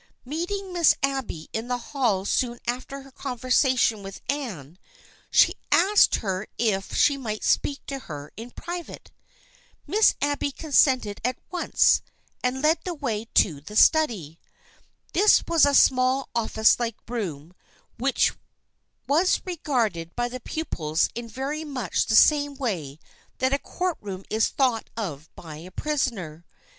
Meeting Miss Abby in the hall soon after her conversation with Anne, she asked her if she might speak to her in private. Miss Abby consented at once and led the way to the study. This was a small office like room which was re garded by the pupils in very much the same way that a court room is thought of by a prisoner.